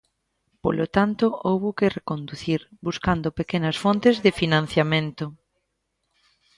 Polo tanto houbo que reconducir, buscando pequenas fontes de financiamento.